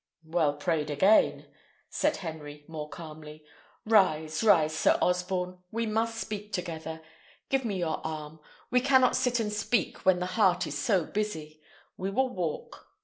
"Well prayed again," said Henry, more calmly. "Rise, rise, Sir Osborne; we must speak together. Give me your arm. We cannot sit and speak when the heart is so busy. We will walk.